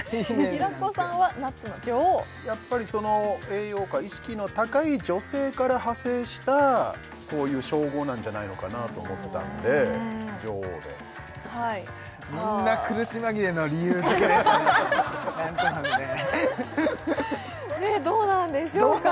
平子さんはナッツの女王やっぱりその栄養価意識の高い女性から派生したこういう称号なんじゃないのかなと思ったんで女王でそんな苦し紛れの理由付けでねえどうなんでしょうか？